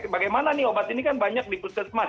bagaimana nih obat ini kan banyak di puskesmas